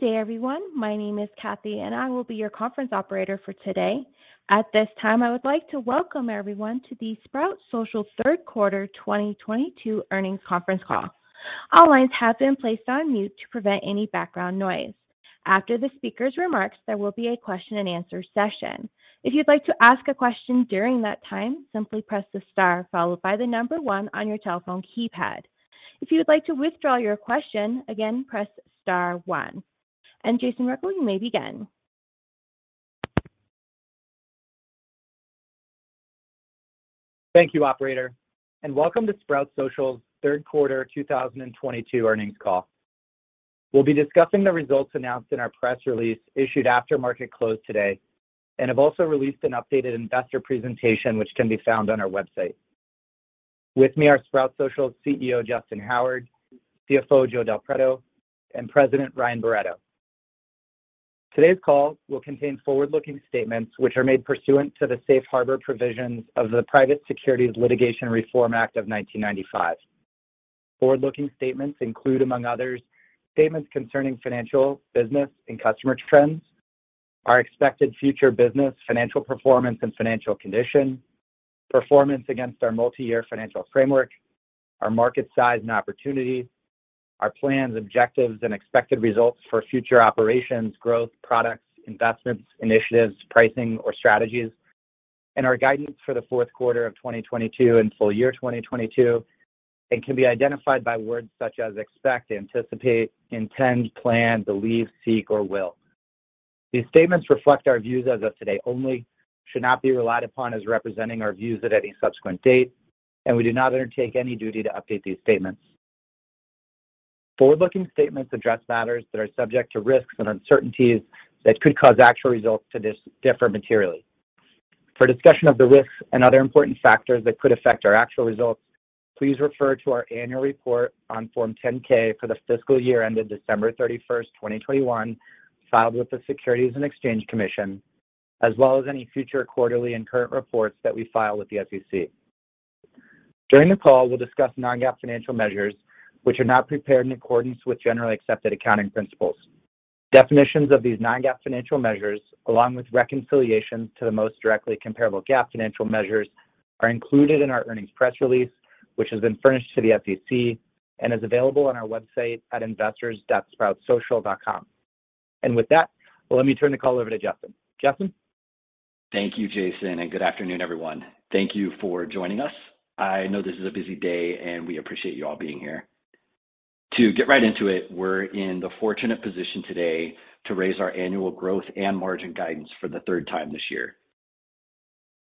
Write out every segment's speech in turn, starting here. Good day, everyone. My name is Kathy, and I will be your conference operator for today. At this time, I would like to welcome everyone to the Sprout Social Third Quarter 2022 Earnings Conference Call. All lines have been placed on mute to prevent any background noise. After the speaker's remarks, there will be a question and answer session. If you'd like to ask a question during that time, simply press the star followed by the number one on your telephone keypad. If you would like to withdraw your question, again, press star one. Jason Rechel, you may begin. Thank you, operator, and welcome to Sprout Social's third quarter 2022 earnings call. We'll be discussing the results announced in our press release issued after market close today, and have also released an updated investor presentation which can be found on our website. With me are Sprout Social's CEO, Justyn Howard, CFO, Joe Del Preto, and President, Ryan Barretto. Today's call will contain forward-looking statements which are made pursuant to the Safe Harbor provisions of the Private Securities Litigation Reform Act of 1995. Forward-looking statements include, among others, statements concerning financial, business, and customer trends, our expected future business, financial performance and financial condition, performance against our multi-year financial framework, our market size and opportunities, our plans, objectives, and expected results for future operations, growth, products, investments, initiatives, pricing, or strategies, and our guidance for the fourth quarter of 2022 and full year 2022, and can be identified by words such as expect, anticipate, intend, plan, believe, seek, or will. These statements reflect our views as of today only, should not be relied upon as representing our views at any subsequent date, and we do not undertake any duty to update these statements. Forward-looking statements address matters that are subject to risks and uncertainties that could cause actual results to differ materially. For discussion of the risks and other important factors that could affect our actual results, please refer to our annual report on Form 10-K for the fiscal year ended 31st December 2021, filed with the Securities and Exchange Commission, as well as any future quarterly and current reports that we file with the SEC. During the call, we'll discuss non-GAAP financial measures which are not prepared in accordance with generally accepted accounting principles. Definitions of these non-GAAP financial measures, along with reconciliation to the most directly comparable GAAP financial measures, are included in our earnings press release, which has been furnished to the SEC and is available on our website at investors.sproutsocial.com. With that, let me turn the call over to Justyn. Justyn? Thank you, Jason, and good afternoon, everyone. Thank you for joining us. I know this is a busy day, and we appreciate you all being here. To get right into it, we're in the fortunate position today to raise our annual growth and margin guidance for the third time this year.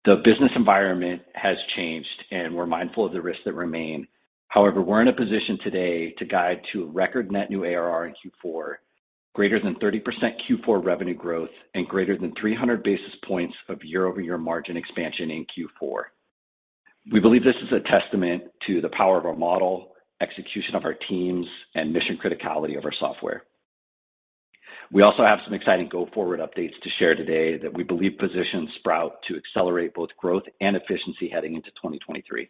The business environment has changed, and we're mindful of the risks that remain. However, we're in a position today to guide to record net new ARR in Q4, greater than 30% Q4 revenue growth, and greater than 300 basis points of year-over-year margin expansion in Q4. We believe this is a testament to the power of our model, execution of our teams, and mission criticality of our software. We also have some exciting go-forward updates to share today that we believe position Sprout to accelerate both growth and efficiency heading into 2023.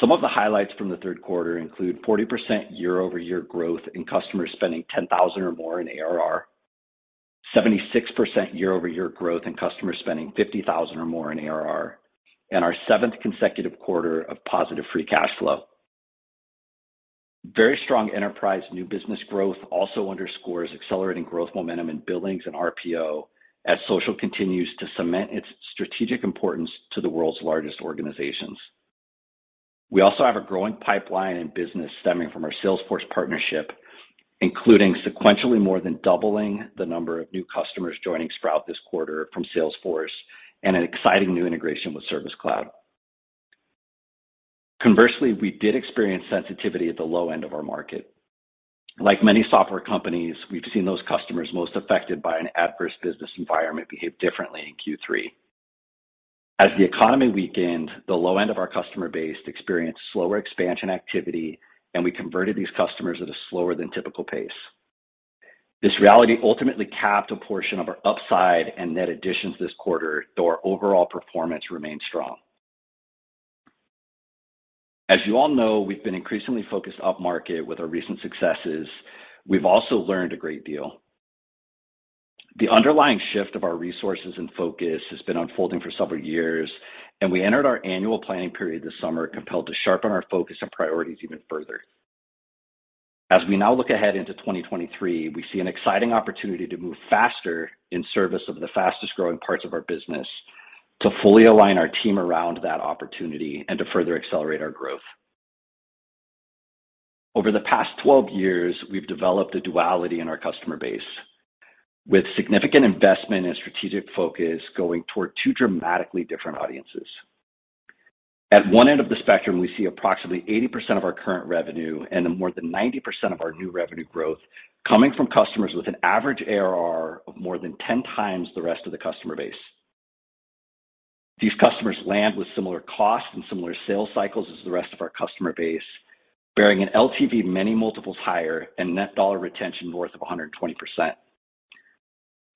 Some of the highlights from the third quarter include 40% year-over-year growth in customers spending $10,000 or more in ARR, 76% year-over-year growth in customers spending $50,000 or more in ARR, and our seventh consecutive quarter of positive free cash flow. Very strong enterprise new business growth also underscores accelerating growth momentum in billings and RPO as Sprout Social continues to cement its strategic importance to the world's largest organizations. We also have a growing pipeline in business stemming from our Salesforce partnership, including sequentially more than doubling the number of new customers joining Sprout this quarter from Salesforce and an exciting new integration with Service Cloud. Conversely, we did experience sensitivity at the low end of our market. Like many software companies, we've seen those customers most affected by an adverse business environment behave differently in Q3. As the economy weakened, the low end of our customer base experienced slower expansion activity, and we converted these customers at a slower than typical pace. This reality ultimately capped a portion of our upside and net additions this quarter, though our overall performance remained strong. As you all know, we've been increasingly focused upmarket with our recent successes. We've also learned a great deal. The underlying shift of our resources and focus has been unfolding for several years, and we entered our annual planning period this summer compelled to sharpen our focus and priorities even further. As we now look ahead into 2023, we see an exciting opportunity to move faster in service of the fastest-growing parts of our business to fully align our team around that opportunity and to further accelerate our growth. Over the past 12 years, we've developed a duality in our customer base with significant investment and strategic focus going toward two dramatically different audiences. At one end of the spectrum, we see approximately 80% of our current revenue and more than 90% of our new revenue growth coming from customers with an average ARR of more than 10x the rest of the customer base. These customers land with similar costs and similar sales cycles as the rest of the customer base, bearing an LTV many multiples higher and net dollar retention north of 120%.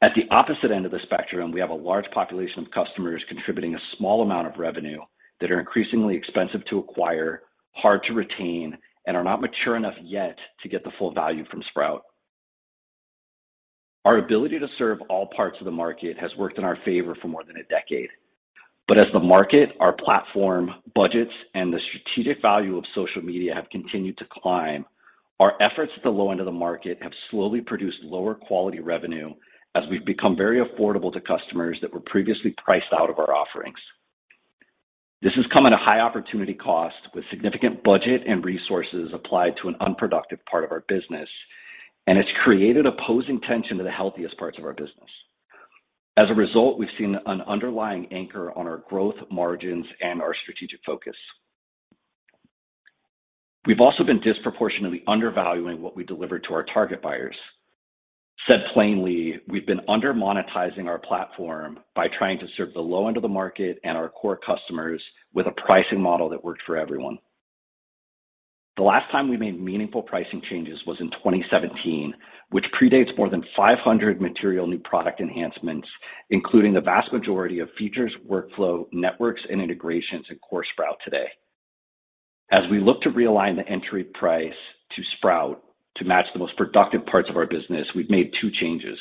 At the opposite end of the spectrum, we have a large population of customers contributing a small amount of revenue that are increasingly expensive to acquire, hard to retain, and are not mature enough yet to get the full value from Sprout. Our ability to serve all parts of the market has worked in our favor for more than a decade. As the market, our platform, budgets, and the strategic value of social media have continued to climb, our efforts at the low end of the market have slowly produced lower quality revenue as we've become very affordable to customers that were previously priced out of our offerings. This has come at a high opportunity cost with significant budget and resources applied to an unproductive part of our business, and it's created opposing tension to the healthiest parts of our business. As a result, we've seen an underlying anchor on our growth margins and our strategic focus. We've also been disproportionately undervaluing what we deliver to our target buyers. Said plainly, we've been under-monetizing our platform by trying to serve the low end of the market and our core customers with a pricing model that works for everyone. The last time we made meaningful pricing changes was in 2017, which predates more than 500 material new product enhancements, including the vast majority of features, workflow, networks, and integrations in Core Sprout today. As we look to realign the entry price to Sprout to match the most productive parts of our business, we've made two changes.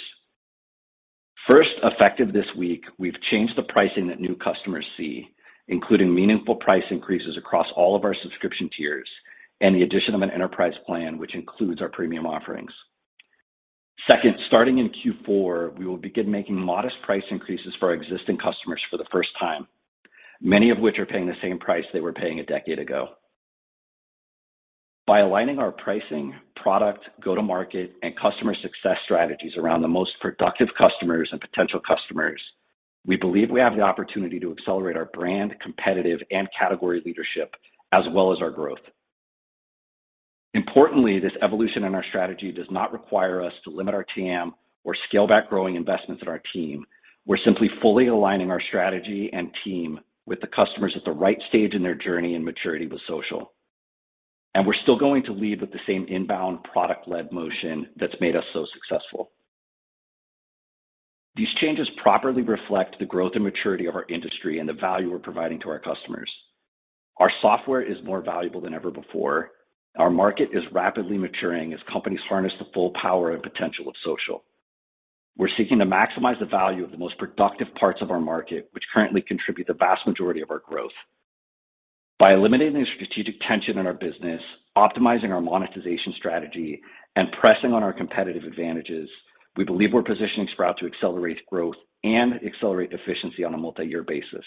First, effective this week, we've changed the pricing that new customers see, including meaningful price increases across all of our subscription tiers and the addition of an enterprise plan which includes our premium offerings. Second, starting in Q4, we will begin making modest price increases for our existing customers for the first time, many of which are paying the same price they were paying a decade ago. By aligning our pricing, product, go-to-market, and customer success strategies around the most productive customers and potential customers, we believe we have the opportunity to accelerate our brand, competitive, and category leadership, as well as our growth. Importantly, this evolution in our strategy does not require us to limit our TAM or scale back growing investments in our team. We're simply fully aligning our strategy and team with the customers at the right stage in their journey and maturity with social. We're still going to lead with the same inbound product-led motion that's made us so successful. These changes properly reflect the growth and maturity of our industry and the value we're providing to our customers. Our software is more valuable than ever before. Our market is rapidly maturing as companies harness the full power and potential of social. We're seeking to maximize the value of the most productive parts of our market, which currently contribute the vast majority of our growth. By eliminating the strategic tension in our business, optimizing our monetization strategy, and pressing on our competitive advantages, we believe we're positioning Sprout to accelerate growth and accelerate efficiency on a multi-year basis.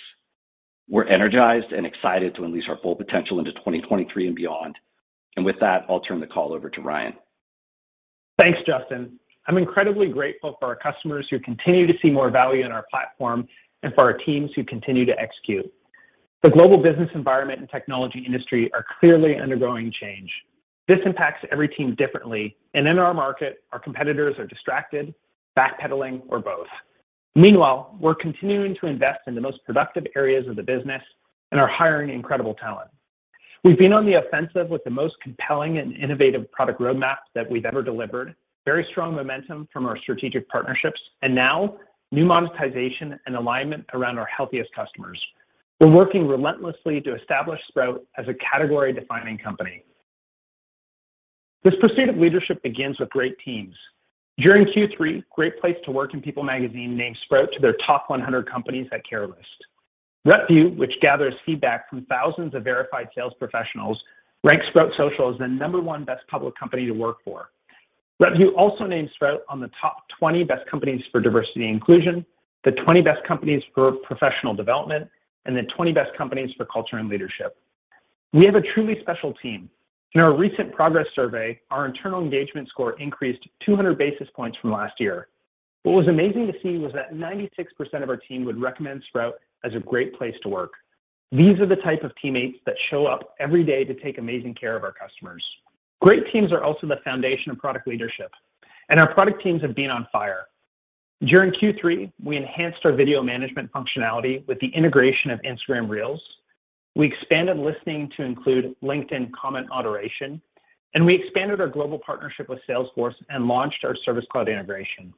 We're energized and excited to unleash our full potential into 2023 and beyond. With that, I'll turn the call over to Ryan. Thanks, Justin. I'm incredibly grateful for our customers who continue to see more value in our platform and for our teams who continue to execute. The global business environment and technology industry are clearly undergoing change. This impacts every team differently, and in our market, our competitors are distracted, backpedaling, or both. Meanwhile, we're continuing to invest in the most productive areas of the business and are hiring incredible talent. We've been on the offensive with the most compelling and innovative product roadmap that we've ever delivered, very strong momentum from our strategic partnerships, and now new monetization and alignment around our healthiest customers. We're working relentlessly to establish Sprout as a category-defining company. This pursuit of leadership begins with great teams. During Q3, Great Place to Work and People magazine named Sprout to their top 100 companies that care list. Repvue, which gathers feedback from thousands of verified sales professionals, ranks Sprout Social as the number 1 best public company to work for. Repvue also named Sprout on the top 20 best companies for diversity and inclusion, the 20 best companies for professional development, and the 20 best companies for culture and leadership. We have a truly special team. In our recent progress survey, our internal engagement score increased 200 basis points from last year. What was amazing to see was that 96% of our team would recommend Sprout as a great place to work. These are the type of teammates that show up every day to take amazing care of our customers. Great teams are also the foundation of product leadership, and our product teams have been on fire. During Q3, we enhanced our video management functionality with the integration of Instagram Reels. We expanded listening to include LinkedIn comment moderation, and we expanded our global partnership with Salesforce and launched our Service Cloud integration.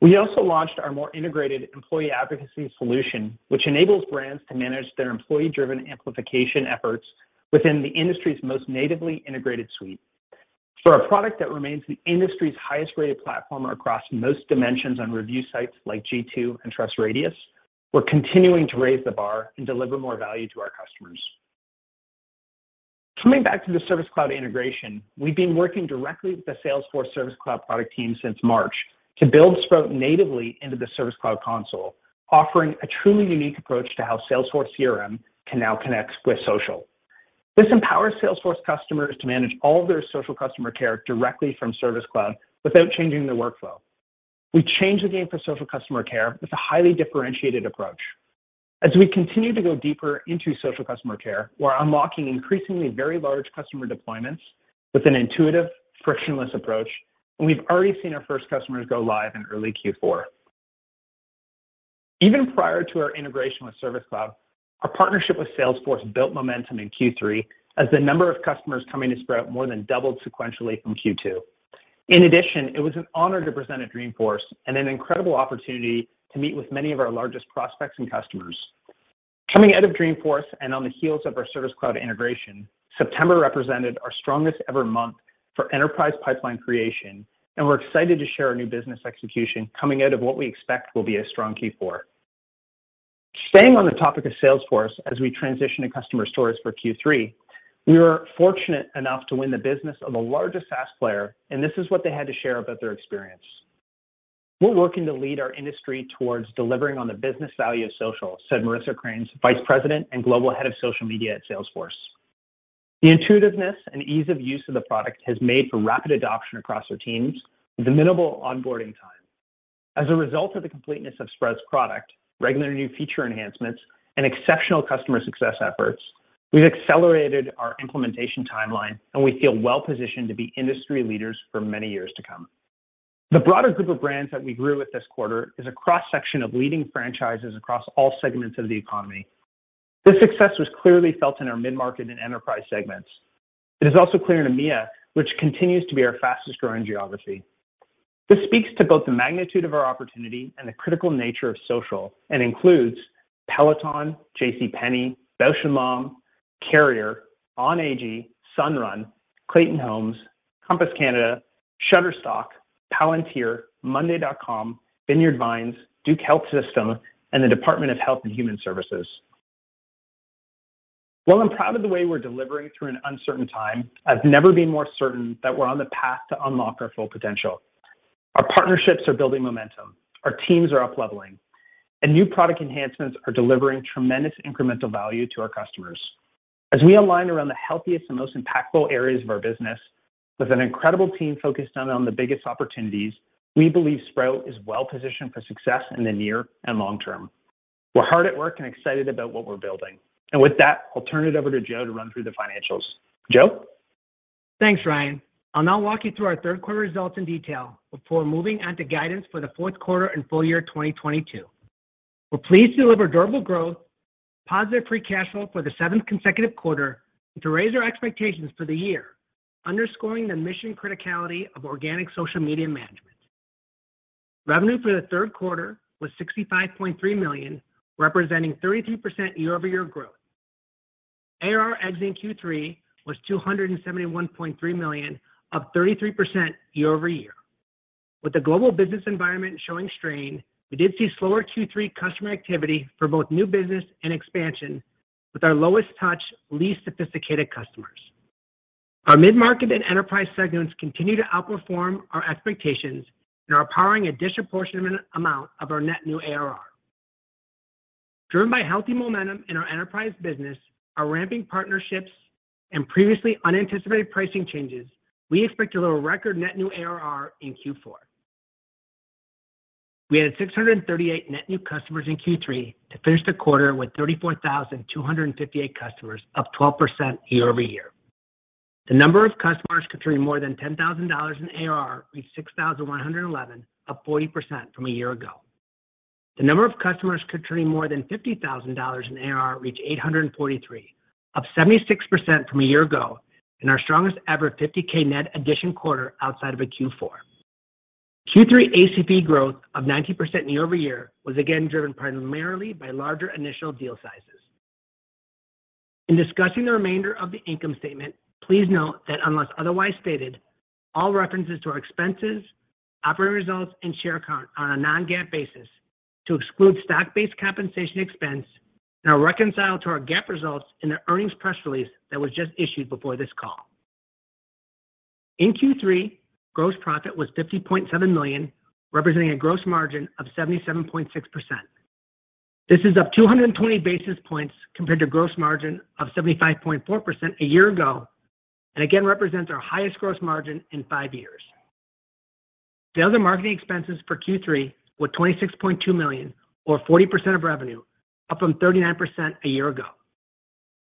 We also launched our more integrated employee advocacy solution, which enables brands to manage their employee-driven amplification efforts within the industry's most natively integrated suite. For a product that remains the industry's highest-rated platform across most dimensions on review sites like G2 and TrustRadius, we're continuing to raise the bar and deliver more value to our customers. Coming back to the Service Cloud integration, we've been working directly with the Salesforce Service Cloud product team since March to build Sprout natively into the Service Cloud console, offering a truly unique approach to how Salesforce CRM can now connect with social. This empowers Salesforce customers to manage all of their social customer care directly from Service Cloud without changing their workflow. We changed the game for social customer care with a highly differentiated approach. As we continue to go deeper into social customer care, we're unlocking increasingly very large customer deployments with an intuitive, frictionless approach, and we've already seen our first customers go live in early Q4. Even prior to our integration with Service Cloud, our partnership with Salesforce built momentum in Q3 as the number of customers coming to Sprout more than doubled sequentially from Q2. In addition, it was an honor to present at Dreamforce and an incredible opportunity to meet with many of our largest prospects and customers. Coming out of Dreamforce and on the heels of our Service Cloud integration, September represented our strongest ever month for enterprise pipeline creation, and we're excited to share our new business execution coming out of what we expect will be a strong Q4. Staying on the topic of Salesforce as we transition to customer stories for Q3, we were fortunate enough to win the business of the largest SaaS player, and this is what they had to share about their experience. "We're working to lead our industry towards delivering on the business value of social," said Marissa Kraines, Vice President and Global Head of Social Media at Salesforce. "The intuitiveness and ease of use of the product has made for rapid adoption across our teams with a minimal onboarding time. As a result of the completeness of Sprout's product, regular new feature enhancements, and exceptional customer success efforts, we've accelerated our implementation timeline, and we feel well positioned to be industry leaders for many years to come." The broader group of brands that we grew with this quarter is a cross-section of leading franchises across all segments of the economy. This success was clearly felt in our mid-market and enterprise segments. It is also clear in EMEA, which continues to be our fastest-growing geography. This speaks to both the magnitude of our opportunity and the critical nature of social and includes Peloton, JCPenney, Bausch + Lomb, Carrier, On Holding AG, Sunrun, Clayton Homes, Compass Group Canada, Shutterstock, Palantir, monday.com, Vineyard Vines, Duke University Health System, and the U.S. Department of Health and Human Services. While I'm proud of the way we're delivering through an uncertain time, I've never been more certain that we're on the path to unlock our full potential. Our partnerships are building momentum, our teams are up leveling, and new product enhancements are delivering tremendous incremental value to our customers. As we align around the healthiest and most impactful areas of our business with an incredible team focused on the biggest opportunities, we believe Sprout is well positioned for success in the near and long term. We're hard at work and excited about what we're building. With that, I'll turn it over to Joe to run through the financials. Joe? Thanks, Ryan. I'll now walk you through our third quarter results in detail before moving on to guidance for the fourth quarter and full year 2022. We're pleased to deliver durable growth, positive free cash flow for the seventh consecutive quarter, and to raise our expectations for the year, underscoring the mission criticality of organic social media management. Revenue for the third quarter was $65.3 million, representing 33% year-over-year growth. ARR exiting Q3 was $271.3 million, up 33% year-over-year. With the global business environment showing strain, we did see slower Q3 customer activity for both new business and expansion with our lowest touch, least sophisticated customers. Our mid-market and enterprise segments continue to outperform our expectations and are powering a disproportionate amount of our net new ARR. Driven by healthy momentum in our enterprise business, our ramping partnerships, and previously unanticipated pricing changes, we expect a little record net new ARR in Q4. We added 638 net new customers in Q3 to finish the quarter with 34,258 customers, up 12% year-over-year. The number of customers contributing more than $10,000 in ARR reached 6,111, up 40% from a year ago. The number of customers contributing more than $50,000 in ARR reached 843, up 76% from a year ago and our strongest ever 50K net addition quarter outside of a Q4. Q3 ACV growth of 90% year-over-year was again driven primarily by larger initial deal sizes. In discussing the remainder of the income statement, please note that unless otherwise stated, all references to our expenses, operating results, and share count are on a non-GAAP basis to exclude stock-based compensation expense and are reconciled to our GAAP results in the earnings press release that was just issued before this call. In Q3, gross profit was $50.7 million, representing a gross margin of 77.6%. This is up 220 basis points compared to gross margin of 75.4% a year ago, and again represents our highest gross margin in fiveyears. Sales and marketing expenses for Q3 were $26.2 million or 40% of revenue, up from 39% a year ago.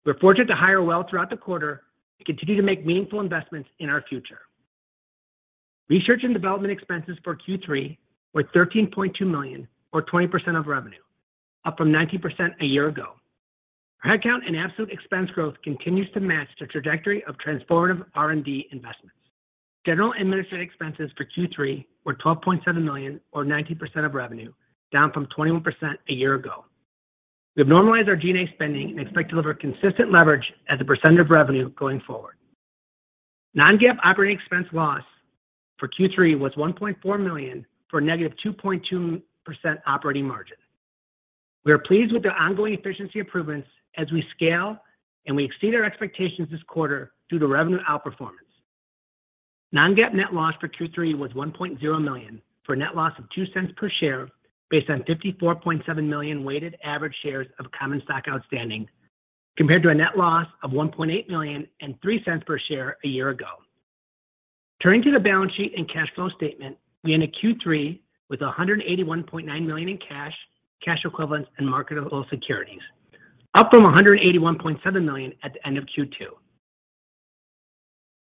We're fortunate to hire well throughout the quarter and continue to make meaningful investments in our future. Research and development expenses for Q3 were $13.2 million or 20% of revenue, up from 19% a year ago. Our headcount and absolute expense growth continues to match the trajectory of transformative R&D investments. General and administrative expenses for Q3 were $12.7 million or 19% of revenue, down from 21% a year ago. We have normalized our G&A spending and expect to deliver consistent leverage as a percentage of revenue going forward. Non-GAAP operating expense loss for Q3 was $1.4 million for a negative 2.2 operating margin. We are pleased with the ongoing efficiency improvements as we scale, and we exceed our expectations this quarter due to revenue outperformance. Non-GAAP net loss for Q3 was $1.0 million for a net loss of $0.02 per share based on 54.7 million weighted average shares of common stock outstanding, compared to a net loss of $1.8 million and $0.03 per share a year ago. Turning to the balance sheet and cash flow statement, we end Q3 with $181.9 million in cash equivalents, and marketable securities, up from $181.7 million at the end of Q2.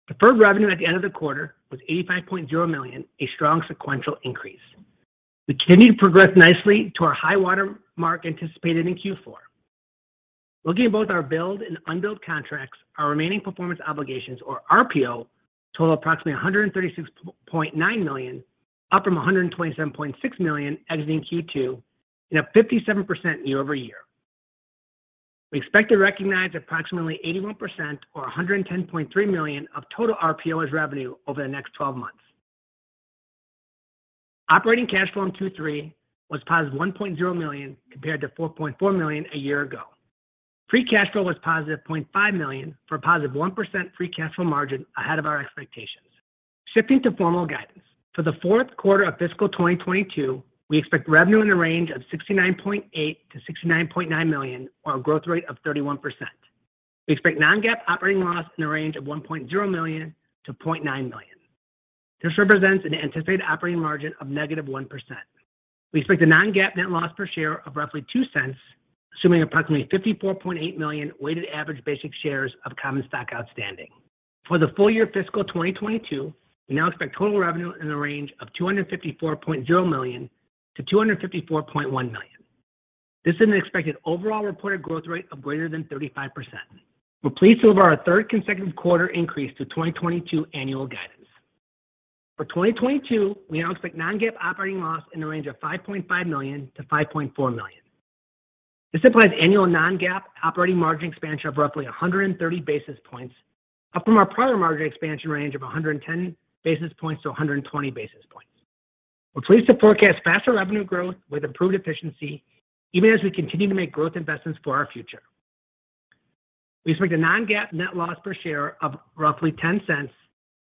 Deferred revenue at the end of the quarter was $85.0 million, a strong sequential increase. We continue to progress nicely to our high-water mark anticipated in Q4. Looking at both our billed and unbilled contracts, our remaining performance obligations or RPO totaled approximately $136.9 million, up from $127.6 million exiting Q2, and up 57% year-over-year. We expect to recognize approximately 81% or $110.3 million of total RPO as revenue over the next twelve months. Operating cash flow in Q3 was positive $1.0 million compared to $4.4 million a year ago. Free cash flow was positive $0.5 million for a positive 1% free cash flow margin ahead of our expectations. Shifting to formal guidance. For the fourth quarter of fiscal 2022, we expect revenue in the range of $69.8-$69.9 million, or a growth rate of 31%. We expect non-GAAP operating loss in the range of $1.0 million-$0.9 million. This represents an anticipated operating margin of negative 1%. We expect a non-GAAP net loss per share of roughly $0.02, assuming approximately 54.8 million weighted average basic shares of common stock outstanding. For the full year fiscal 2022, we now expect total revenue in the range of $254.0 million-$254.1 million. This is an expected overall reported growth rate of greater than 35%. We're pleased to deliver our third consecutive quarter increase to 2022 annual guidance. For 2022, we now expect non-GAAP operating loss in the range of $5.5 million-$5.4 million. This implies annual non-GAAP operating margin expansion of roughly 130 basis points, up from our prior margin expansion range of 110-120 basis points. We're pleased to forecast faster revenue growth with improved efficiency even as we continue to make growth investments for our future. We expect a non-GAAP net loss per share of roughly $0.10,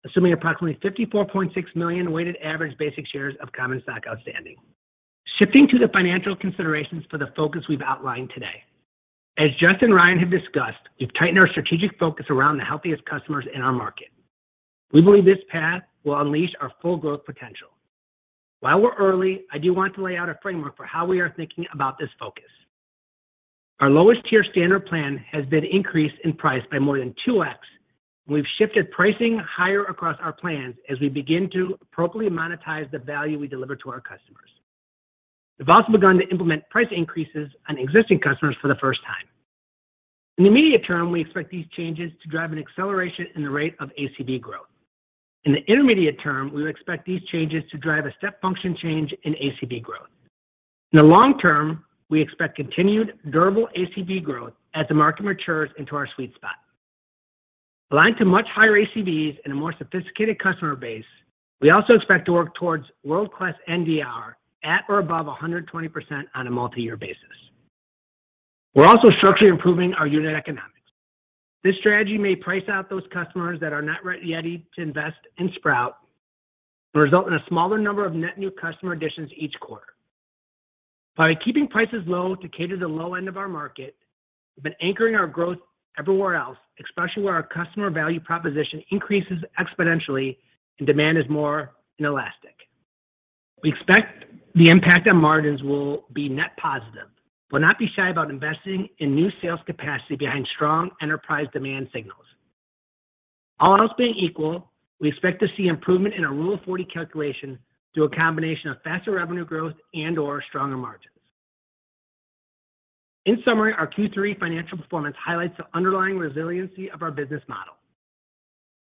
assuming approximately 54.6 million weighted average basic shares of common stock outstanding. FiveShifting to the financial considerations for the focus we've outlined today. As Justyn and Ryan have discussed, we've tightened our strategic focus around the healthiest customers in our market. We believe this path will unleash our full growth potential. While we're early, I do want to lay out a framework for how we are thinking about this focus. Our lowest tier standard plan has been increased in price by more than 2x. We've shifted pricing higher across our plans as we begin to appropriately monetize the value we deliver to our customers. We've also begun to implement price increases on existing customers for the first time. In the immediate term, we expect these changes to drive an acceleration in the rate of ACV growth. In the intermediate term, we would expect these changes to drive a step function change in ACV growth. In the long term, we expect continued durable ACV growth as the market matures into our sweet spot. Aligned to much higher ACVs and a more sophisticated customer base, we also expect to work towards world-class NDR at or above 120% on a multi-year basis. We're also structurally improving our unit economics. This strategy may price out those customers that are not ready to invest in Sprout and result in a smaller number of net new customer additions each quarter. By keeping prices low to cater the low end of our market, we've been anchoring our growth everywhere else, especially where our customer value proposition increases exponentially and demand is more inelastic. We expect the impact on margins will be net positive. We'll not be shy about investing in new sales capacity behind strong enterprise demand signals. All else being equal, we expect to see improvement in our rule of forty calculations through a combination of faster revenue growth and/or stronger margins. In summary, our Q3 financial performance highlights the underlying resiliency of our business model.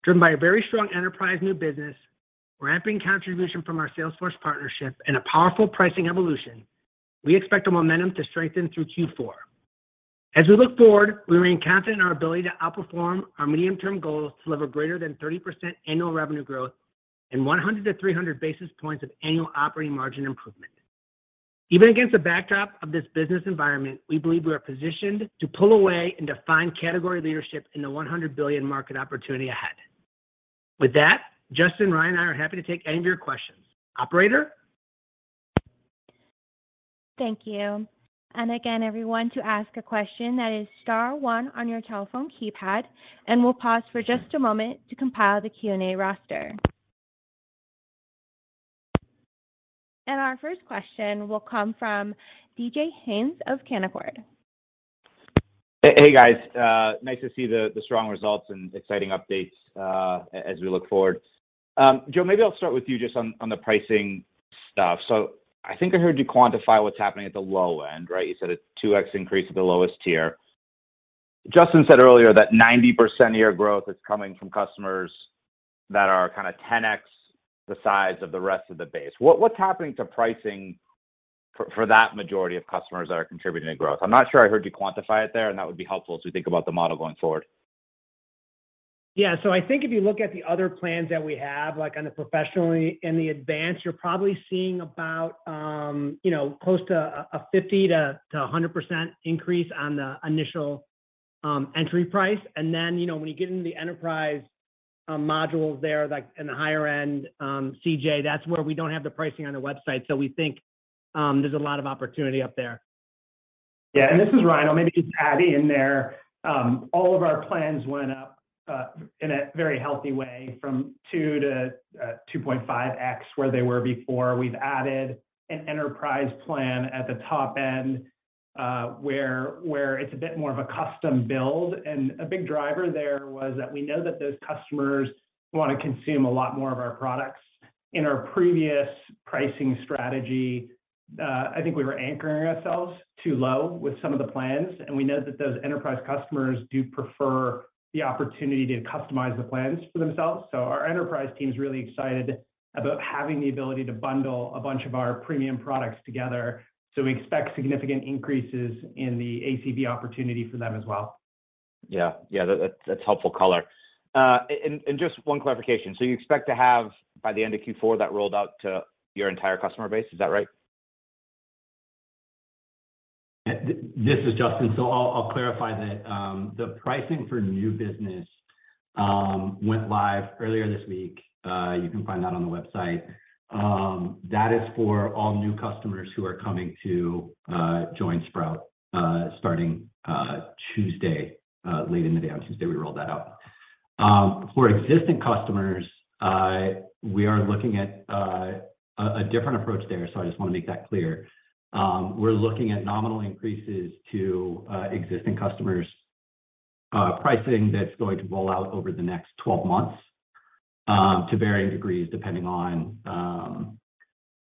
Driven by a very strong enterprise new business, ramping contribution from our Salesforce partnership, and a powerful pricing evolution, we expect the momentum to strengthen through Q4. As we look forward, we remain confident in our ability to outperform our medium-term goals to deliver greater than 30% annual revenue growth and 100-300 basis points of annual operating margin improvement. Even against the backdrop of this business environment, we believe we are positioned to pull away and define category leadership in the $100 billion market opportunity ahead. With that, Justin, Ryan, and I are happy to take any of your questions. Operator. Thank you. Again, everyone, to ask a question that is star one on your telephone keypad, and we'll pause for just a moment to compile the Q&A roster. Our first question will come from DJ Hynes of Canaccord Genuity. Hey, guys. Nice to see the strong results and exciting updates as we look forward. Joe, maybe I'll start with you just on the pricing stuff. I think I heard you quantify what's happening at the low end, right? You said a 2x increase at the lowest tier. Justin said earlier that 90% year growth is coming from customers that are kinda 10x the size of the rest of the base. What's happening to pricing for that majority of customers that are contributing to growth? I'm not sure I heard you quantify it there, and that would be helpful as we think about the model going forward. Yeah. I think if you look at the other plans that we have, like on the professional and the advanced, you're probably seeing about, you know, close to a 50%-100% increase on the initial entry price. Then, you know, when you get into the enterprise modules there, like in the higher end, CJ, that's where we don't have the pricing on the website. We think there's a lot of opportunity up there. Yeah. This is Ryan. I'll maybe just add in there. All of our plans went up in a very healthy way from 2-2.5x where they were before. We've added an enterprise plan at the top end. Where it's a bit more of a custom build. A big driver there was that we know that those customers wanna consume a lot more of our products. In our previous pricing strategy, I think we were anchoring ourselves too low with some of the plans, and we know that those enterprise customers do prefer the opportunity to customize the plans for themselves. Our enterprise team's really excited about having the ability to bundle a bunch of our premium products together, so we expect significant increases in the ACV opportunity for them as well. Yeah. That's helpful color. And just one clarification. You expect to have by the end of Q4 that rolled out to your entire customer base. Is that right? This is Justyn. I'll clarify that the pricing for new business went live earlier this week. You can find that on the website. That is for all new customers who are coming to join Sprout starting Tuesday late in the day on Tuesday. We rolled that out. For existing customers, we are looking at a different approach there, so I just wanna make that clear. We're looking at nominal increases to existing customers' pricing that's going to roll out over the next 12 months to varying degrees depending on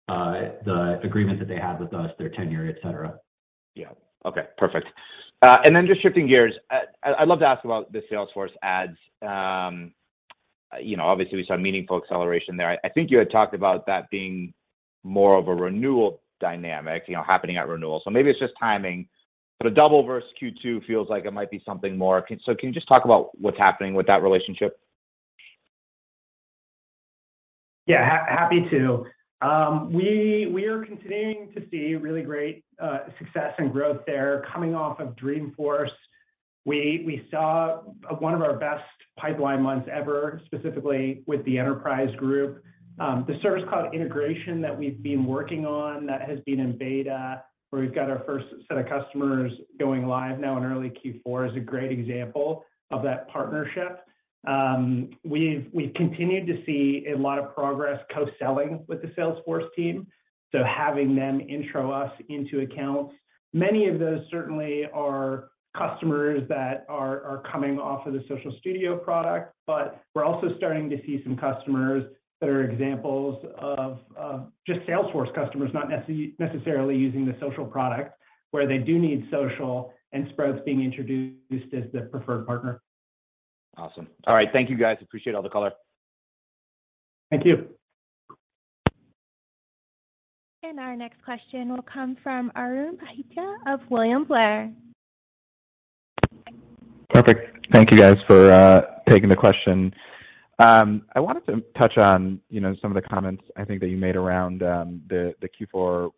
the agreement that they have with us, their tenure, et cetera. Yeah. Okay, perfect. Just shifting gears. I'd love to ask about the Salesforce ads. You know, obviously we saw meaningful acceleration there. I think you had talked about that being more of a renewal dynamic, you know, happening at renewal. Maybe it's just timing, but a double versus Q2 feels like it might be something more. Can you just talk about what's happening with that relationship? Happy to. We are continuing to see really great success and growth there coming off of Dreamforce. We saw one of our best pipeline months ever, specifically with the enterprise group. The Service Cloud integration that we've been working on that has been in beta, where we've got our first set of customers going live now in early Q4, is a great example of that partnership. We've continued to see a lot of progress co-selling with the Salesforce team, so having them intro us into accounts. Many of those certainly are customers that are coming off of the Social Studio product, but we're also starting to see some customers that are examples of just Salesforce customers, not necessarily using the social product, where they do need social, and Sprout's being introduced as the preferred partner. Awesome. All right. Thank you, guys. Appreciate all the color. Thank you. Our next question will come from Arjun Bhatia of William Blair. Perfect. Thank you guys for taking the question. I wanted to touch on, you know, some of the comments I think that you made around the Q4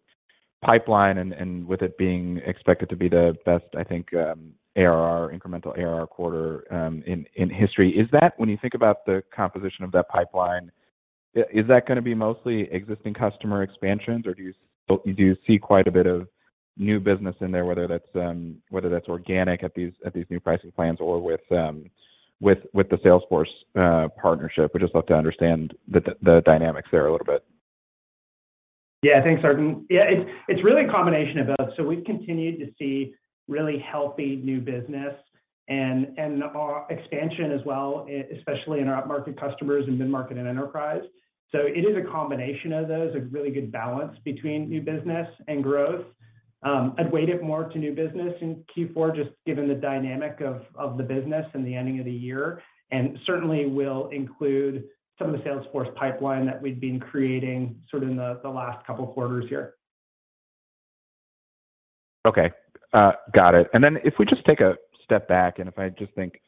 pipeline and with it being expected to be the best, I think, ARR, incremental ARR quarter in history. Is that when you think about the composition of that pipeline, is that gonna be mostly existing customer expansions, or do you see quite a bit of new business in there, whether that's organic at these new pricing plans or with the Salesforce partnership? I'd just love to understand the dynamics there a little bit. Yeah. Thanks, Arjun. Yeah. It's really a combination of both. We've continued to see really healthy new business and expansion as well, especially in our up-market customers and mid-market and enterprise. It is a combination of those, a really good balance between new business and growth. I'd weight it more to new business in Q4, just given the dynamic of the business and the ending of the year, and certainly will include some of the Salesforce pipeline that we've been creating sort of in the last couple of quarters here. Okay. Got it. If we just take a step back, and if I just think,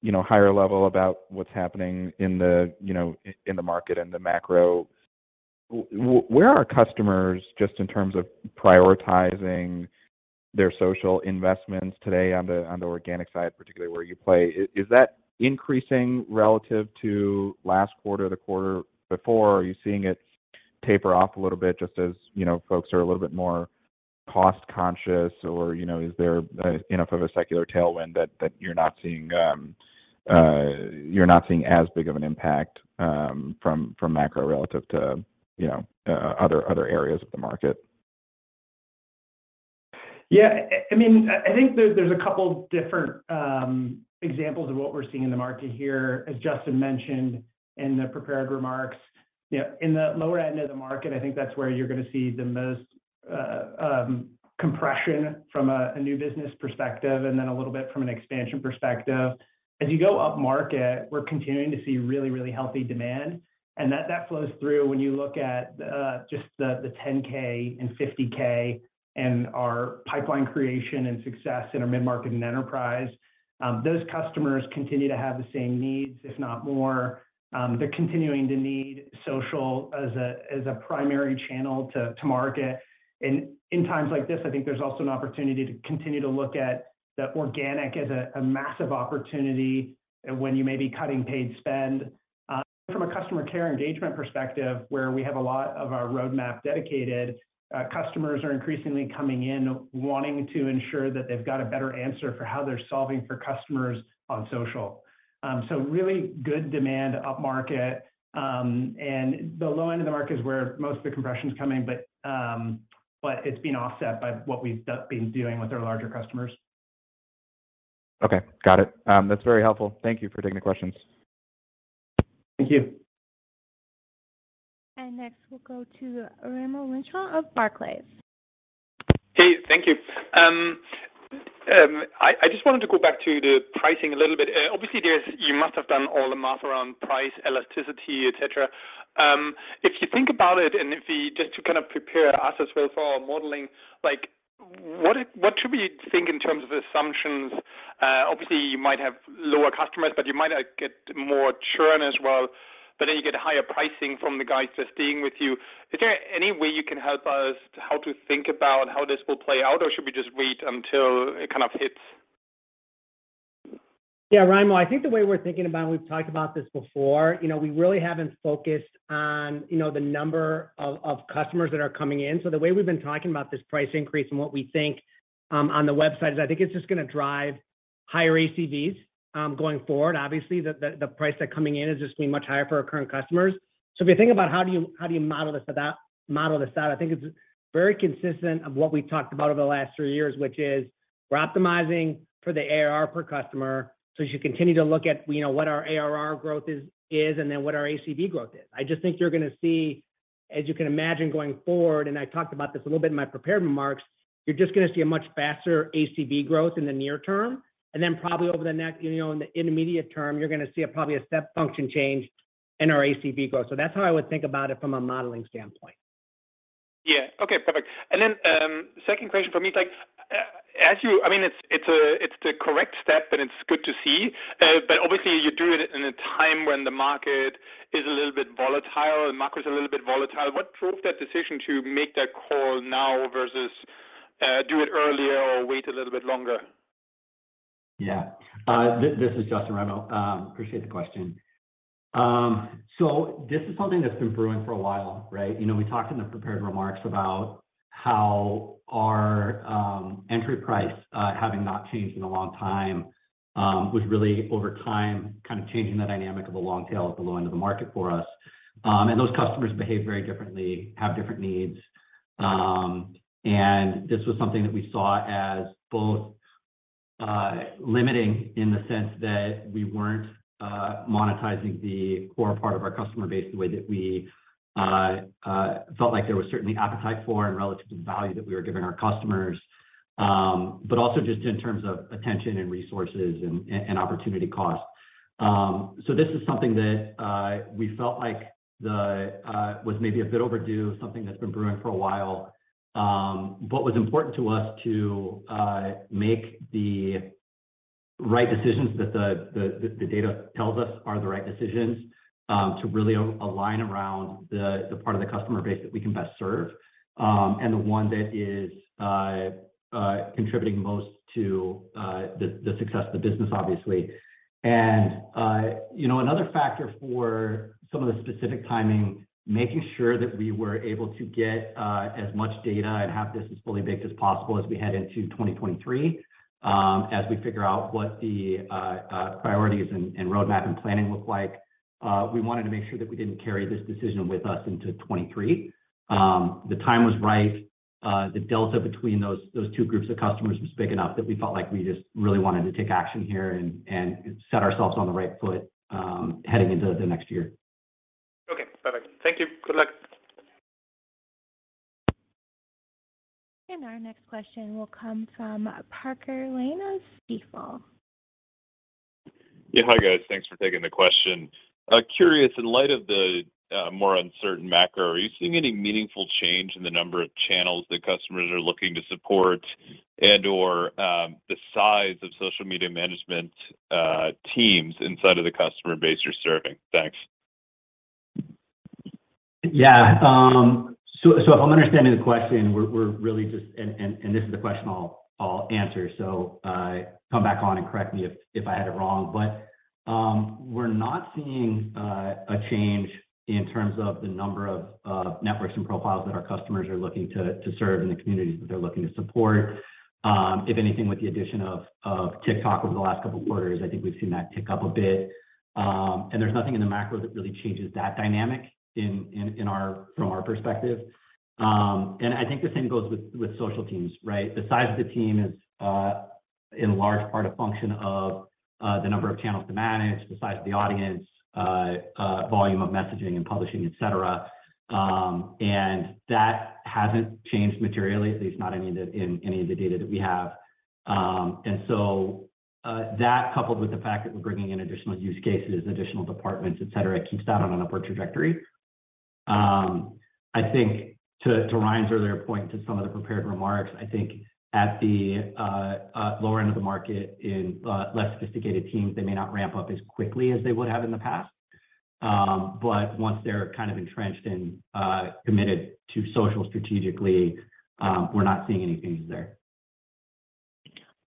you know, higher level about what's happening in the, you know, in the market and the macro, where are customers just in terms of prioritizing their social investments today on the, on the organic side, particularly where you play? Is that increasing relative to last quarter, the quarter before? Are you seeing it taper off a little bit just as, you know, folks are a little bit more cost-conscious or, you know, is there enough of a secular tailwind that you're not seeing as big of an impact from macro relative to, you know, other areas of the market? Yeah. I mean, I think there's a couple different examples of what we're seeing in the market here, as Justyn mentioned in the prepared remarks. You know, in the lower end of the market, I think that's where you're gonna see the most compression from a new business perspective, and then a little bit from an expansion perspective. As you go up market, we're continuing to see really, really healthy demand, and that flows through when you look at just the 10-K and 10-Q and our pipeline creation and success in our mid-market and enterprise. Those customers continue to have the same needs, if not more. They're continuing to need social as a primary channel to market. In times like this, I think there's also an opportunity to continue to look at the organic as a massive opportunity when you may be cutting paid spend. From a customer care engagement perspective, where we have a lot of our roadmap dedicated, customers are increasingly coming in wanting to ensure that they've got a better answer for how they're solving for customers on social. Really good demand up-market, and the low end of the market is where most of the compression's coming, but it's been offset by what we've been doing with our larger customers. Okay, got it. That's very helpful. Thank you for taking the questions. Thank you. Next, we'll go to Raimo Lenschow of Barclays. Hey, thank you. I just wanted to go back to the pricing a little bit. Obviously, you must have done all the math around price elasticity, et cetera. If you think about it and if we just to kind of prepare us as well for our modeling, like what should we think in terms of assumptions? Obviously you might have lower customers, but you might, like, get more churn as well. But then you get higher pricing from the guys that's staying with you. Is there any way you can help us how to think about how this will play out? Or should we just wait until it kind of hits? Yeah, Raimo, I think the way we're thinking about, and we've talked about this before, you know, we really haven't focused on, you know, the number of customers that are coming in. So the way we've been talking about this price increase and what we think on the website is I think it's just gonna drive higher ACVs going forward. Obviously, the price they're coming in is just gonna be much higher for our current customers. So if you think about how do you model this out, I think it's very consistent of what we've talked about over the last three years, which is we're optimizing for the ARR per customer. So as you continue to look at, you know, what our ARR growth is and then what our ACV growth is. I just think you're gonna see, as you can imagine going forward, and I talked about this a little bit in my prepared remarks, you're just gonna see a much faster ACV growth in the near term. Then probably over the next, you know, in the intermediate term, you're gonna see a probably a step function change in our ACV growth. That's how I would think about it from a modeling standpoint. Yeah. Okay, perfect. Second question for me is like, I mean, it's the correct step, and it's good to see. Obviously you do it in a time when the market is a little bit volatile and macro is a little bit volatile. What drove that decision to make that call now versus, do it earlier or wait a little bit longer? Yeah. This is Justyn Howard, Raimo Lenschow. Appreciate the question. This is something that's been brewing for a while, right? You know, we talked in the prepared remarks about how our entry price, having not changed in a long time, was really over time kind of changing the dynamic of the long tail at the low end of the market for us. Those customers behave very differently, have different needs. This was something that we saw as both limiting in the sense that we weren't monetizing the core part of our customer base the way that we felt like there was certainly appetite for and relative to the value that we were giving our customers. Also just in terms of attention and resources and opportunity cost. This is something that we felt like that was maybe a bit overdue, something that's been brewing for a while. What was important to us to make the right decisions that the data tells us are the right decisions, to really align around the part of the customer base that we can best serve, and the one that is contributing most to the success of the business, obviously. You know, another factor for some of the specific timing, making sure that we were able to get as much data and have this as fully baked as possible as we head into 2023, as we figure out what the priorities and roadmap and planning look like. We wanted to make sure that we didn't carry this decision with us into 2023. The time was right. The delta between those two groups of customers was big enough that we felt like we just really wanted to take action here and set ourselves on the right foot, heading into the next year. Okay, perfect. Thank you. Good luck. Our next question will come from Parker Lane of Stifel. Yeah. Hi, guys. Thanks for taking the question. Curious, in light of the more uncertain macro, are you seeing any meaningful change in the number of channels that customers are looking to support and/or the size of social media management teams inside of the customer base you're serving? Thanks. Yeah. If I'm understanding the question, this is a question I'll answer. Come back on and correct me if I had it wrong. We're not seeing a change in terms of the number of networks and profiles that our customers are looking to serve and the communities that they're looking to support. If anything, with the addition of TikTok over the last couple of quarters, I think we've seen that tick up a bit. There's nothing in the macro that really changes that dynamic from our perspective. I think the same goes with social teams, right? The size of the team is, in large part a function of, the number of channels to manage, the size of the audience, volume of messaging and publishing, et cetera. That hasn't changed materially, at least not in any of the data that we have. That coupled with the fact that we're bringing in additional use cases, additional departments, et cetera, keeps that on an upward trajectory. I think to Ryan's earlier point to some of the prepared remarks, I think at the lower end of the market in less sophisticated teams, they may not ramp up as quickly as they would have in the past. Once they're kind of entrenched and committed to social strategically, we're not seeing any changes there.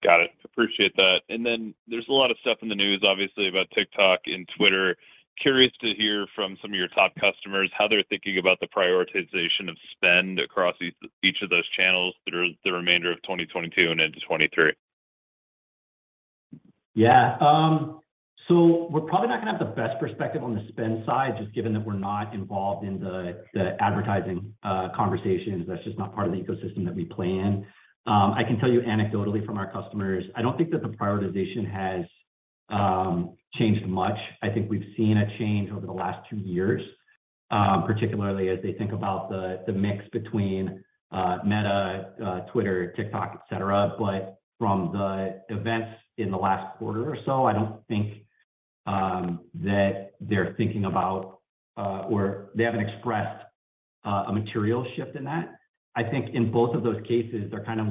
Got it. Appreciate that. There's a lot of stuff in the news obviously about TikTok and Twitter. Curious to hear from some of your top customers how they're thinking about the prioritization of spend across each of those channels through the remainder of 2022 and into 2023? Yeah. We're probably not gonna have the best perspective on the spend side, just given that we're not involved in the advertising conversations. That's just not part of the ecosystem that we play in. I can tell you anecdotally from our customers, I don't think that the prioritization has changed much. I think we've seen a change over the last two years, particularly as they think about the mix between Meta, Twitter, TikTok, et cetera. From the events in the last quarter or so, I don't think that they're thinking about or they haven't expressed a material shift in that. I think in both of those cases, they're kind of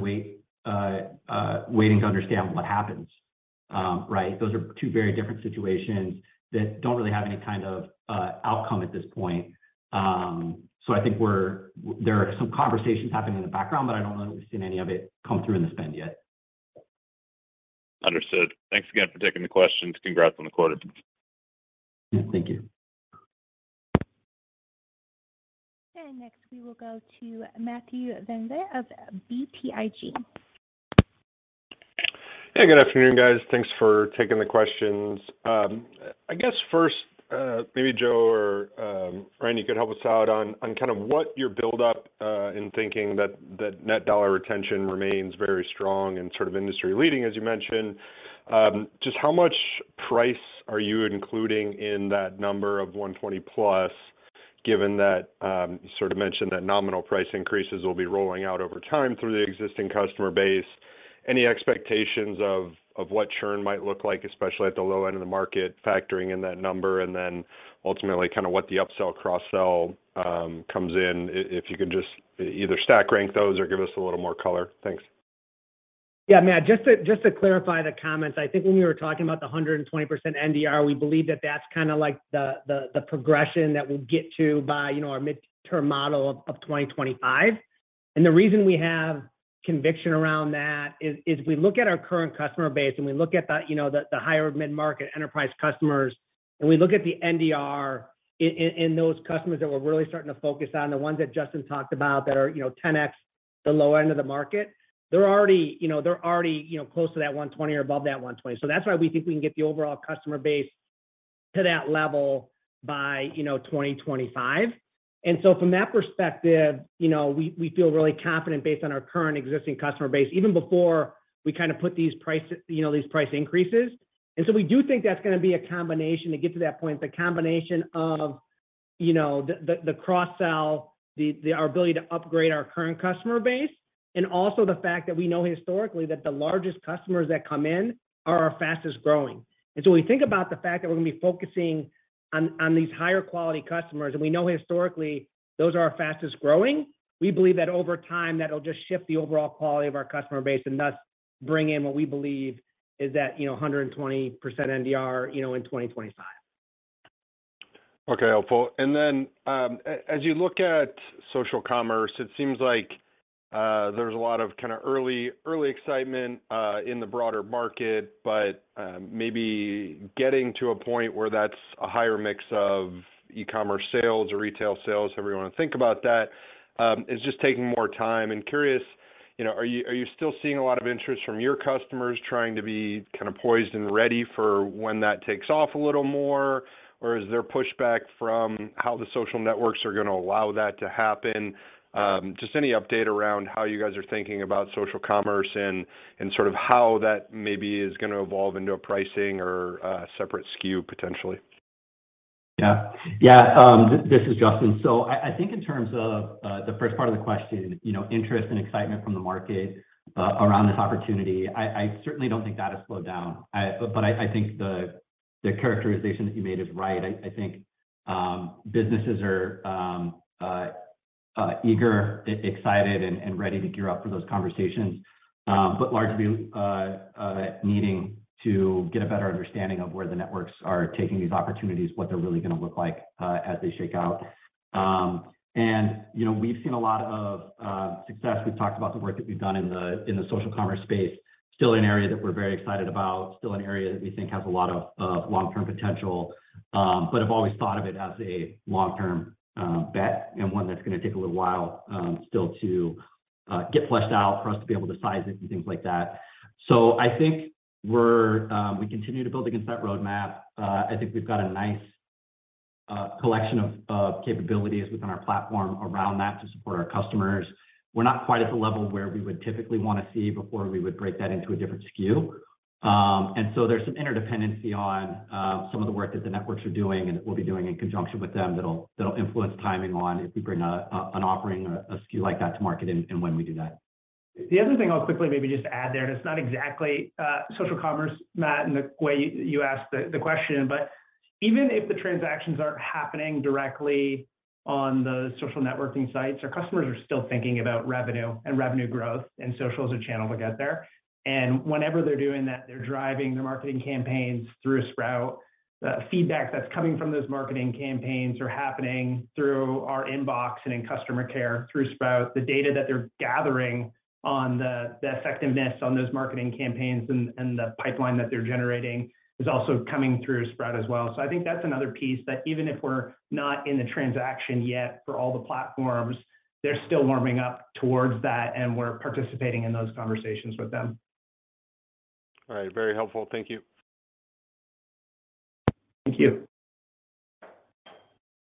waiting to understand what happens, right? Those are two very different situations that don't really have any kind of outcome at this point. I think there are some conversations happening in the background, but I don't know that we've seen any of it come through in the spend yet. Understood. Thanks again for taking the questions. Congrats on the quarter. Yeah, thank you. Next, we will go to Matthew VanVliet of BTIG. Hey, good afternoon, guys. Thanks for taking the questions. I guess first, maybe Joe or Ryan, you could help us out on kind of what your build up in thinking that the net dollar retention remains very strong and sort of industry-leading, as you mentioned. Just how much price are you including in that number of 120+, given that you sort of mentioned that nominal price increases will be rolling out over time through the existing customer base. Any expectations of what churn might look like, especially at the low end of the market, factoring in that number, and then ultimately kinda what the upsell, cross-sell comes in, if you could just either stack rank those or give us a little more color. Thanks. Yeah, Matt, just to clarify the comments, I think when we were talking about the 120% NDR, we believe that that's kinda like the progression that we'll get to by, you know, our midterm model of 2025. The reason we have conviction around that is we look at our current customer base, and we look at the, you know, the higher mid-market enterprise customers, and we look at the NDR in those customers that we're really starting to focus on, the ones that Justyn talked about that are, you know, 10x the low end of the market. They're already, you know, close to that 120 or above that 120. So that's why we think we can get the overall customer base to that level by, you know, 2025. From that perspective, you know, we feel really confident based on our current existing customer base, even before we kinda put these prices, you know, these price increases. We do think that's gonna be a combination to get to that point. The combination of, you know, the cross-sell, our ability to upgrade our current customer base, and also the fact that we know historically that the largest customers that come in are our fastest-growing. We think about the fact that we're gonna be focusing on these higher quality customers, and we know historically those are our fastest-growing. We believe that over time, that'll just shift the overall quality of our customer base and thus bring in what we believe is that, you know, 120% NDR, you know, in 2025. Okay. Helpful. Then, as you look at social commerce, it seems like there's a lot of kinda early excitement in the broader market, but maybe getting to a point where that's a higher mix of e-commerce sales or retail sales, however you wanna think about that, is just taking more time. Curious, you know, are you still seeing a lot of interest from your customers trying to be kinda poised and ready for when that takes off a little more? Or is there pushback from how the social networks are gonna allow that to happen? Just any update around how you guys are thinking about social commerce and sort of how that maybe is gonna evolve into a pricing or a separate SKU potentially. Yeah. Yeah, this is Justyn. I think in terms of the first part of the question, you know, interest and excitement from the market around this opportunity, I certainly don't think that has slowed down. I think the characterization that you made is right. I think businesses are eager, excited, and ready to gear up for those conversations, but largely needing to get a better understanding of where the networks are taking these opportunities, what they're really gonna look like as they shake out. You know, we've seen a lot of success. We've talked about the work that we've done in the social commerce space, still an area that we're very excited about, still an area that we think has a lot of long-term potential, but I've always thought of it as a long-term bet and one that's gonna take a little while, still to get fleshed out for us to be able to size it and things like that. I think we continue to build against that roadmap. I think we've got a nice collection of capabilities within our platform around that to support our customers. We're not quite at the level where we would typically wanna see before we would break that into a different SKU. There's some interdependency on some of the work that the networks are doing and that we'll be doing in conjunction with them that'll influence timing on if we bring an offering or a SKU like that to market and when we do that. The other thing I'll quickly maybe just add there, and it's not exactly social commerce, Matt, in the way you asked the question, but even if the transactions aren't happening directly on the social networking sites, our customers are still thinking about revenue and revenue growth, and social is a channel to get there. Whenever they're doing that, they're driving their marketing campaigns through Sprout. The feedback that's coming from those marketing campaigns are happening through our inbox and in customer care through Sprout. The data that they're gathering on the effectiveness of those marketing campaigns and the pipeline that they're generating is also coming through Sprout as well. I think that's another piece that even if we're not in the transaction yet for all the platforms, they're still warming up towards that, and we're participating in those conversations with them. All right. Very helpful. Thank you. Thank you.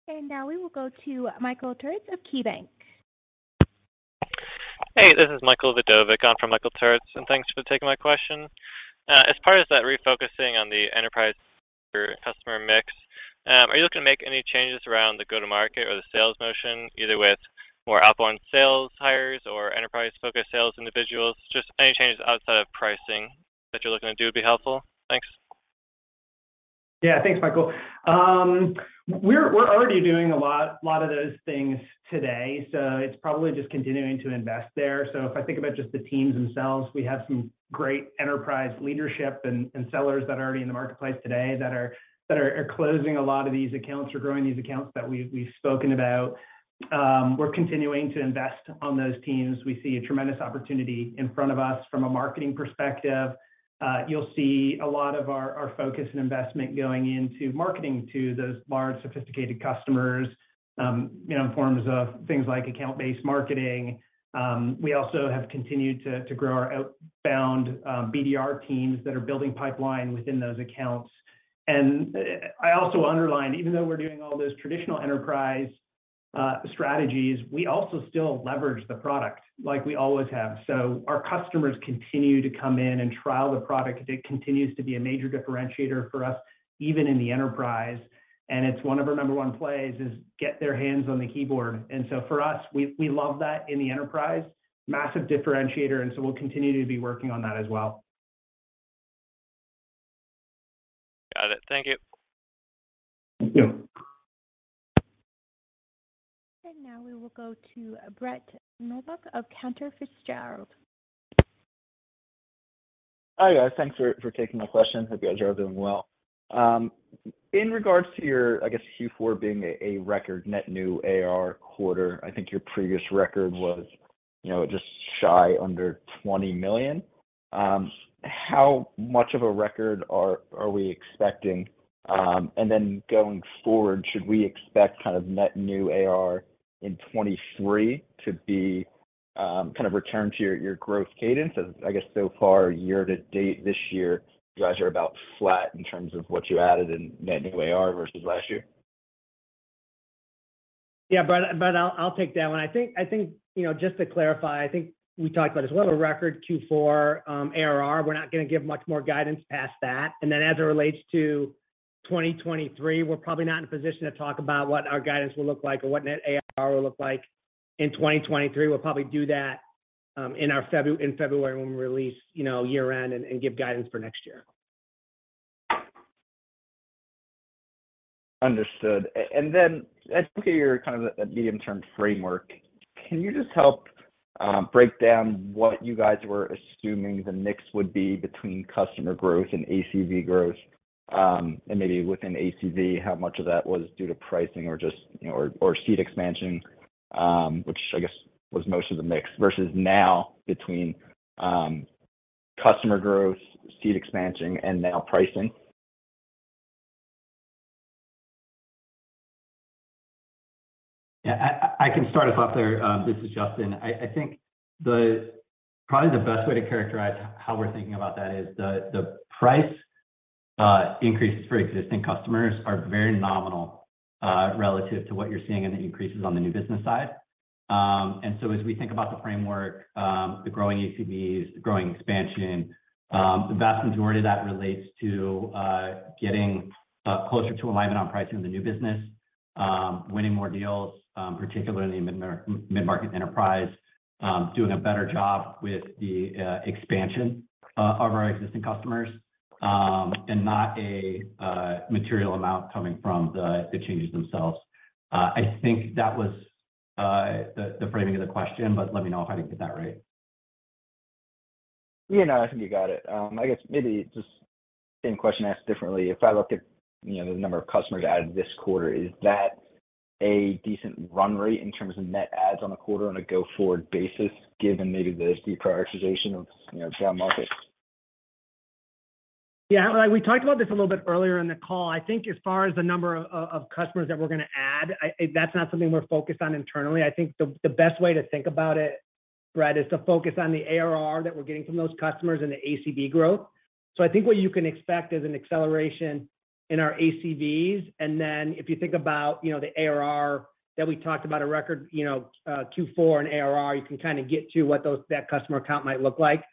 Now we will go to Michael Turits of KeyBank. Hey, this is Michael Vidovic and Michael Turits, and thanks for taking my question. As part of that refocusing on the enterprise customer mix, are you looking to make any changes around the go-to-market or the sales motion, either with more outbound sales hires or enterprise-focused sales individuals? Just any changes outside of pricing that you're looking to do would be helpful. Thanks. Yeah. Thanks, Michael. We're already doing a lot of those things today, so it's probably just continuing to invest there. If I think about just the teams themselves, we have some great enterprise leadership and sellers that are already in the marketplace today that are closing a lot of these accounts or growing these accounts that we've spoken about. We're continuing to invest on those teams. We see a tremendous opportunity in front of us from a marketing perspective. You'll see a lot of our focus and investment going into marketing to those large sophisticated customers, you know, in forms of things like account-based marketing. We also have continued to grow our outbound BDR teams that are building pipeline within those accounts. I also underlined, even though we're doing all those traditional enterprise strategies, we also still leverage the product like we always have. Our customers continue to come in and trial the product. It continues to be a major differentiator for us, even in the enterprise, and it's one of our number one plays, is get their hands on the keyboard. For us, we love that in the enterprise. Massive differentiator, and we'll continue to be working on that as well. Got it. Thank you. Thank you. Now we will go to Brett Knoblauch of Cantor Fitzgerald. Hi, guys. Thanks for taking my question. Hope you guys are all doing well. In regards to your Q4 being a record net new AR quarter, I think your previous record was, you know, just shy under $20 million. How much of a record are we expecting? And then going forward, should we expect kind of net new AR in 2023 to be kind of return to your growth cadence? I guess so far year to date this year, you guys are about flat in terms of what you added in net new AR versus last year. Yeah. Brett, I'll take that one. I think, you know, just to clarify, I think we talked about as well a record Q4 ARR. We're not gonna give much more guidance past that. As it relates to 2023, we're probably not in a position to talk about what our guidance will look like or what net ARR will look like in 2023. We'll probably do that in our February when we release, you know, year-end and give guidance for next year. Understood. Looking at your kind of a medium-term framework, can you just help break down what you guys were assuming the mix would be between customer growth and ACV growth, and maybe within ACV, how much of that was due to pricing or just, you know, or seat expansion, which I guess was most of the mix versus now between customer growth, seat expansion, and now pricing? Yeah. I can start us off there. This is Justin. I think probably the best way to characterize how we're thinking about that is the price increases for existing customers are very nominal relative to what you're seeing in the increases on the new business side. As we think about the framework, the growing ACVs, the growing expansion, the vast majority of that relates to getting closer to alignment on pricing in the new business, winning more deals, particularly in the midmarket enterprise, doing a better job with the expansion of our existing customers, and not a material amount coming from the changes themselves. I think that was the framing of the question, but let me know if I didn't get that right. Yeah. No, I think you got it. I guess maybe just same question asked differently. If I look at, you know, the number of customers added this quarter, is that a decent run rate in terms of net adds on the quarter on a go-forward basis given maybe this deprioritization of, you know, down-market? Yeah. We talked about this a little bit earlier in the call. I think as far as the number of customers that we're gonna add, that's not something we're focused on internally. I think the best way to think about it, Brett, is to focus on the ARR that we're getting from those customers and the ACV growth. I think what you can expect is an acceleration in our ACVs. If you think about, you know, the ARR that we talked about a record, you know, Q4 in ARR, you can kinda get to what that customer count might look like.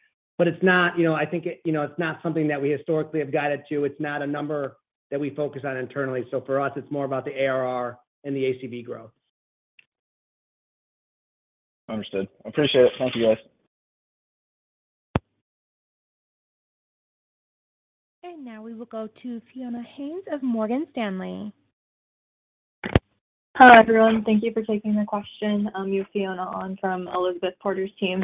It's not, you know, I think it, you know, it's not something that we historically have guided to. It's not a number that we focus on internally. For us, it's more about the ARR and the ACV growth. Understood. I appreciate it. Thank you, guys. Now we will go to Fiona Hynes of Morgan Stanley. Hi, everyone. Thank you for taking the question. I'm Fiona Hynes from Elizabeth Porter's team.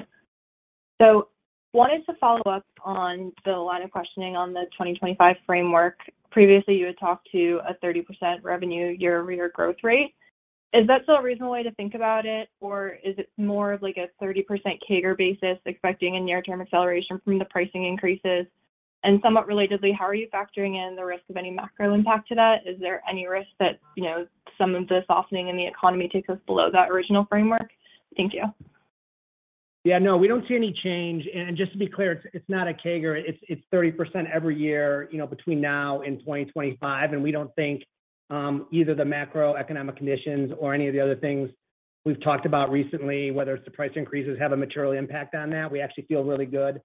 Wanted to follow up on the line of questioning on the 2025 framework. Previously, you had talked to a 30% revenue year-over-year growth rate. Is that still a reasonable way to think about it, or is it more of like a 30% CAGR basis expecting a near-term acceleration from the pricing increases? Somewhat relatedly, how are you factoring in the risk of any macro impact to that? Is there any risk that, you know, some of the softening in the economy takes us below that original framework? Thank you. Yeah, no, we don't see any change. Just to be clear, it's not a CAGR. It's thirty percent every year, you know, between now and 2025, and we don't think either the macroeconomic conditions or any of the other things we've talked about recently, whether it's the price increases, have a material impact on that. We actually feel really good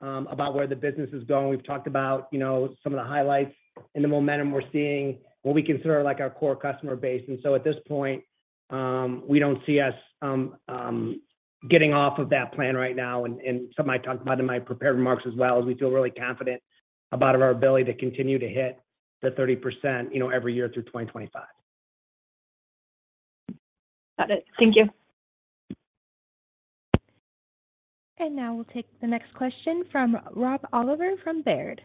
about where the business is going. We've talked about, you know, some of the highlights and the momentum we're seeing, what we consider, like, our core customer base. At this point, we don't see us getting off of that plan right now. Something I talked about in my prepared remarks as well, is we feel really confident about our ability to continue to hit the 30%, you know, every year through 2025. Got it. Thank you. Now we'll take the next question from Rob Oliver from Baird.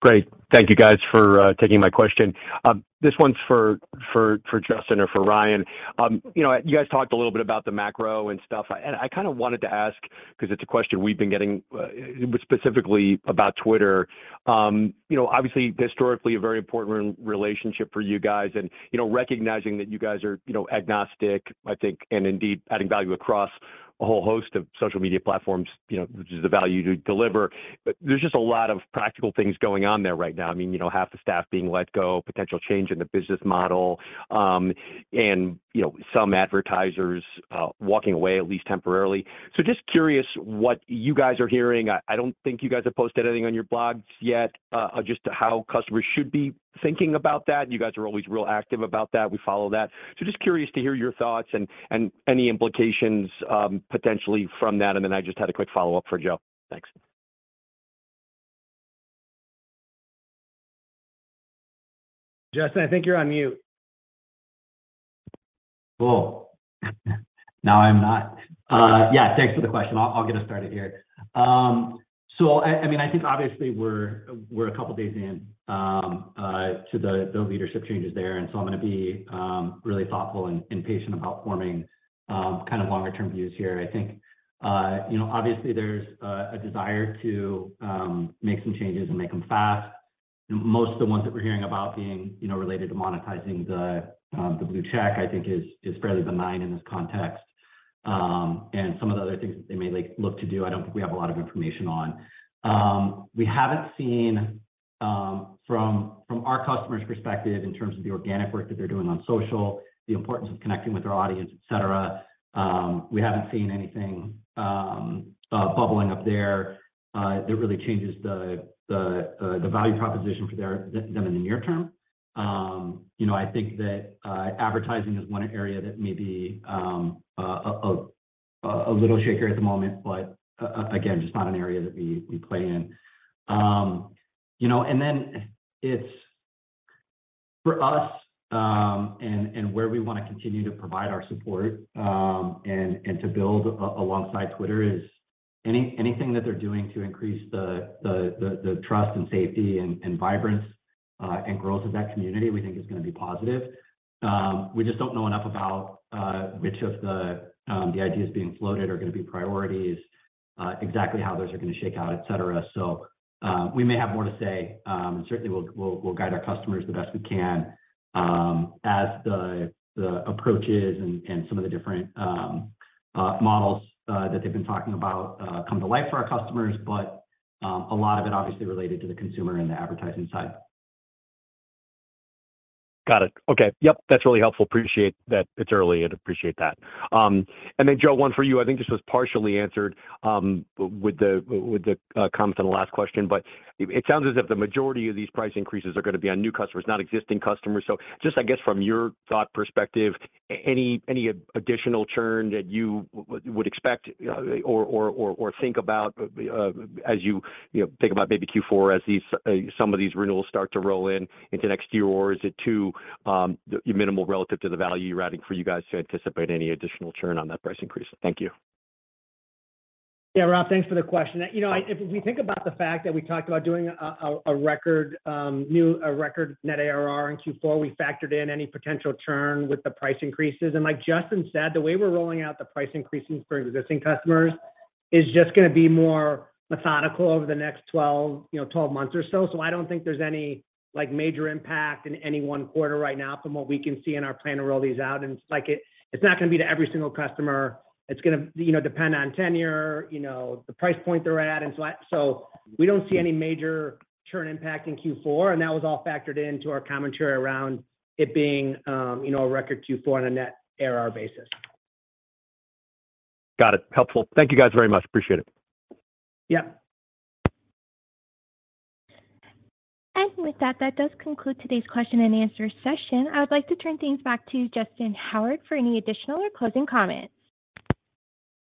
Great. Thank you guys for taking my question. This one's for Justyn or for Ryan. You know, you guys talked a little bit about the macro and stuff, and I kind of wanted to ask because it's a question we've been getting specifically about Twitter. You know, obviously historically a very important relationship for you guys and, you know, recognizing that you guys are, you know, agnostic, I think, and indeed adding value across a whole host of social media platforms, you know, which is the value you deliver. But there's just a lot of practical things going on there right now. I mean, you know, half the staff being let go, potential change in the business model, and, you know, some advertisers walking away at least temporarily. Just curious what you guys are hearing. I don't think you guys have posted anything on your blogs yet, just how customers should be thinking about that. You guys are always real active about that. We follow that. Just curious to hear your thoughts and any implications, potentially from that. Then I just had a quick follow-up for Joe. Thanks. Justyn, I think you're on mute. Cool. Now I'm not. Yeah, thanks for the question. I'll get us started here. I mean, I think obviously we're a couple of days in to the leadership changes there, and I'm gonna be really thoughtful and patient about forming kind of longer-term views here. I think you know, obviously there's a desire to make some changes and make them fast. Most of the ones that we're hearing about being you know, related to monetizing the blue check, I think is fairly benign in this context. Some of the other things that they may like look to do, I don't think we have a lot of information on. We haven't seen, from our customers' perspective in terms of the organic work that they're doing on social, the importance of connecting with their audience, et cetera, we haven't seen anything bubbling up there that really changes the value proposition for them in the near term. You know, I think that advertising is one area that may be a little shakier at the moment, but again, just not an area that we play in. You know, for us, and where we want to continue to provide our support, and to build alongside Twitter is anything that they're doing to increase the trust and safety and vibrance and growth of that community, we think is going to be positive. We just don't know enough about which of the ideas being floated are gonna be priorities, exactly how those are gonna shake out, et cetera. We may have more to say. Certainly we'll guide our customers the best we can, as the approaches and some of the different models that they've been talking about come to life for our customers. A lot of it obviously related to the consumer and the advertising side. Got it. Okay. Yep. That's really helpful. Appreciate that. It's early. I'd appreciate that. Then, Joe, one for you. I think this was partially answered with the comments on the last question, but it sounds as if the majority of these price increases are gonna be on new customers, not existing customers. So just, I guess, from your thought perspective, any additional churn that you would expect or think about as you know think about maybe Q4 as these some of these renewals start to roll in into next year? Is it too minimal relative to the value you're adding for you guys to anticipate any additional churn on that price increase? Thank you. Yeah. Rob, thanks for the question. You know, if we think about the fact that we talked about doing a record net ARR in Q4, we factored in any potential churn with the price increases. Like Justyn said, the way we're rolling out the price increases for existing customers is just gonna be more methodical over the next 12, you know, 12 months or so. I don't think there's any, like, major impact in any one quarter right now from what we can see in our plan to roll these out. Like, it's not gonna be to every single customer. It's gonna, you know, depend on tenure, you know, the price point they're at and so on. We don't see any major churn impact in Q4, and that was all factored into our commentary around it being, you know, a record Q4 on a net ARR basis. Got it. Helpful. Thank you guys very much. Appreciate it. Yep. With that does conclude today's question and answer session. I would like to turn things back to Justyn Howard for any additional or closing comments.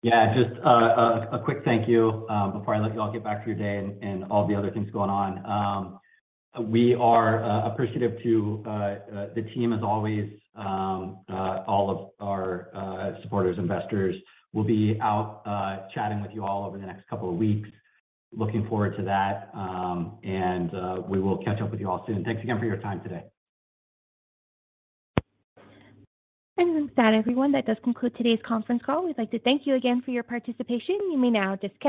Yeah, just a quick thank you before I let you all get back to your day and all the other things going on. We are appreciative to the team as always, all of our supporters, investors. We'll be out chatting with you all over the next couple of weeks. Looking forward to that. We will catch up with you all soon. Thanks again for your time today. With that, everyone, that does conclude today's conference call. We'd like to thank you again for your participation. You may now disconnect.